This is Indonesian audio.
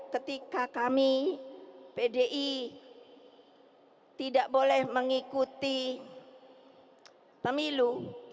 ketika kami pdi tidak boleh mengikuti pemilu